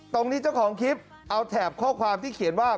เจ้าของคลิปเอาแถบข้อความที่เขียนว่า